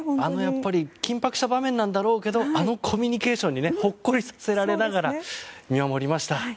あの緊迫した場面なんだろうけどあのコミュニケーションにほっこりされながら見守りました。